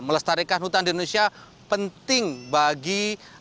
melestarikan hutan di indonesia penting bagi